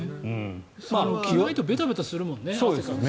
着ないとベタベタするもんね。